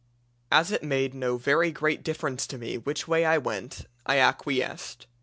As it made no very great difference to me which way I went, I acquiesced.